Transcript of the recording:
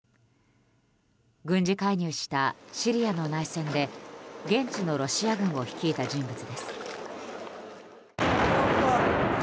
軍事介入したシリアの内戦で現地のロシア軍を率いた人物です。